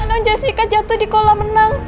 non jessica jatuh di kolam menang